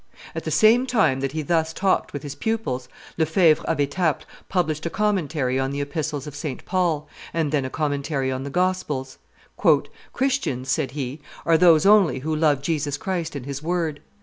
At the same time that he thus talked with his pupils, Lefevre of Etaples published a commentary on the Epistles of St. Paul, and then a commentary on the Gospels. "Christians," said he, "are those only who love Jesus Christ and His word.